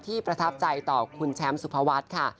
ประทับใจต่อคุณแชมป์สุภวัฒน์ค่ะ